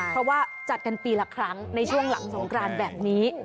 เพราะว่าจัดกันปีละครั้งในช่วงหลังสงกรานแบบนี้